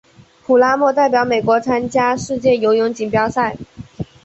普拉默代表美国参加过世界游泳锦标赛。